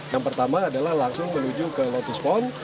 yang pertama adalah langsung menuju ke lotus pond